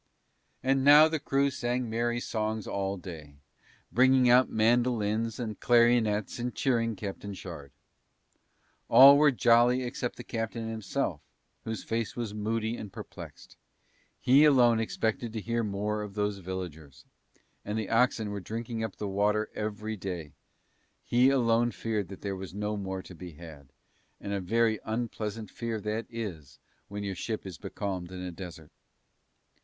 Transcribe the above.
And now the crew sang merry songs all day bringing out mandolins and clarionets and cheering Captain Shard. All were jolly except the captain himself whose face was moody and perplexed; he alone expected to hear more of those villagers; and the oxen were drinking up the water every day, he alone feared that there was no more to be had, and a very unpleasant fear that is when your ship is becalmed in a desert.